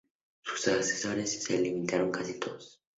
Sus sucesores le imitaron casi todos.